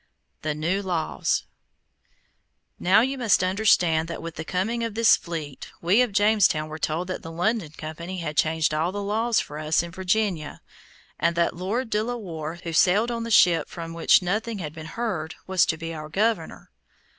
THE NEW LAWS Now you must understand that with the coming of this fleet we of Jamestown were told that the London Company had changed all the laws for us in Virginia, and that Lord De la Warr, who sailed on the ship from which nothing had been heard, was to be our governor.